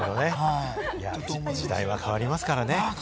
時代は変わりますかね。